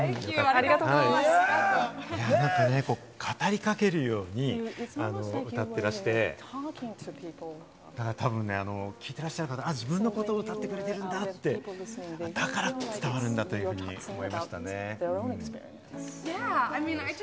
語りかけるように歌ってらして、たぶん聞いてらっしゃる方は自分のことを歌ってくれてるんだって、だから伝わるんだというふうに思いましたね。